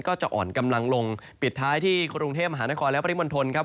ก็จะอ่อนกำลังลงปิดท้ายที่กรุงเทพมหานครและปริมณฑลครับ